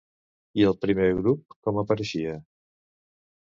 I el primer grup com apareixia?